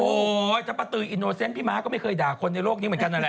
โอ้โหถ้าป้าตืออินโนเซนต์พี่ม้าก็ไม่เคยด่าคนในโลกนี้เหมือนกันนั่นแหละ